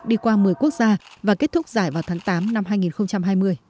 đi qua một mươi quốc gia và kết thúc giải vào tháng tám năm hai nghìn hai mươi